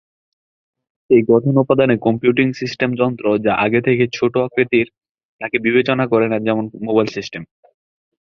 এই গঠন উপাদানে কম্পিউটিং যন্ত্র যা আগে থেকেই ছোট আকৃতির তাকে বিবেচনা করে না যেমন মোবাইল সিস্টেম।